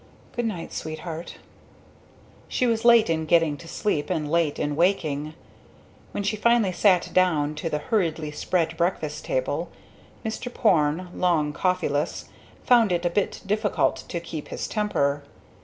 Goodnight, Sweetheart." She was late in getting to sleep and late in waking. When he finally sat down to the hurriedly spread breakfast table, Mr. Porne, long coffeeless, found it a bit difficult to keep his temper.